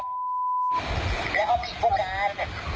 แล้วเอาผิดผู้การ